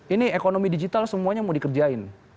ini ekonomi digital semuanya mau dikerjain